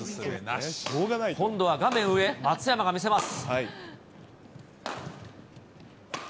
今度は画面上、松山が見せます。